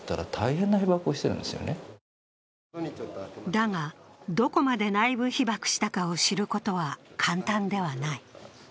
だが、どこまで内部被ばくしたかを知ることは簡単ではない。